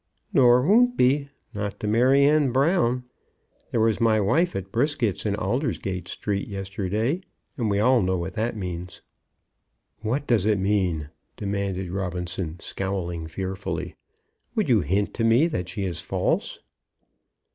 "Nor won't be, not to Maryanne Brown. There was my wife at Brisket's, in Aldersgate Street, yesterday, and we all know what that means." "What does it mean?" demanded Robinson, scowling fearfully. "Would you hint to me that she is false?"